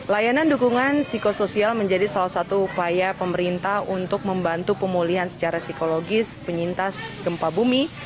layanan dukungan psikosoial menjadi salah satu upaya pemerintah untuk membantu pemulihan secara psikologis penyintas gempa bumi